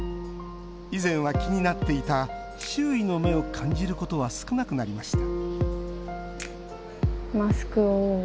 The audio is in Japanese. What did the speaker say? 以前は気になっていた周囲の目を感じることは少なくなりました